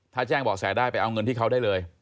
ถ้าแจ้งเบาะแสได้ไปเอาเงินที่เขาได้เลย